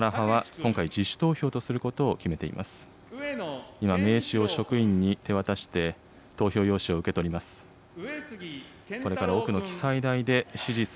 今、名紙を職員に手渡して、投票用紙を受け取ります。